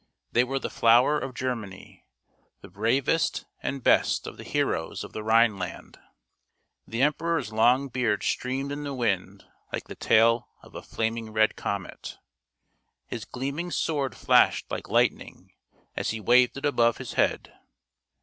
They were the flower of Germany, the bravest and best of the heroes of the Rhineland. The emperor's FREDERICK BARBAROSSA I2S long beard streamed in the wind like the tail of a flaming red comet. His gleaming sword flashed like lightning as he waved it above his head.